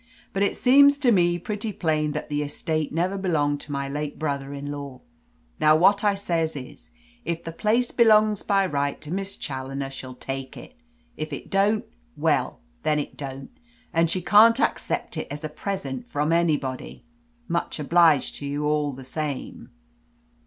But it seems to me pretty plain that the estate never belonged to my late brother in law. Now what I say is, if the place belongs by right to Miss Challoner she'll take it. If it don't; well, then it don't, and she can't accept it as a present from anybody. Much obliged to you all the same."